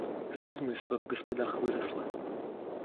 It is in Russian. Сызмальства в господах выросла.